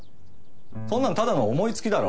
そんなのただの思いつきだろ？